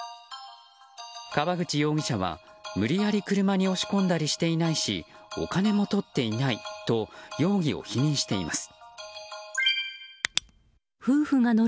河口容疑者は、無理やり車に押し込んだりしていないしお金もとっていないと容疑を否認しています。